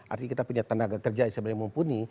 artinya kita punya tenaga kerja yang sebenarnya mumpuni